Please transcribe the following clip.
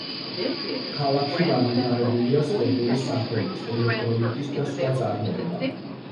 ქალაქში განვითარებულია სპორტული საქონლის, ელექტრონიკის და სხვა წარმოება.